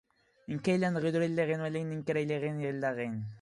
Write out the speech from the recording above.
ⵏⵢⴰⵎⴰⵏ ⵉⴱⴰⵔⴰⵣⵏ ⵏ ⵜⴼⵍⵍⴰⵃⵜ ⴳ ⵉⴼⴼⵓⵙ ⵏ ⵓⵙⴰⵎⵎⵔ, ⴷⵔⵉⵙⵏ ⴰⵡⴷ ⵡⴰⵎⴰⵏ ⵏ ⵜⵉⵙⵙⵡⵉ ⴷⵉⴳⵙ.